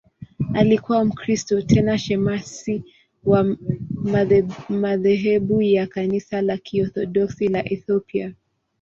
Alikuwa Mkristo, tena shemasi wa madhehebu ya Kanisa la Kiorthodoksi la Ethiopia.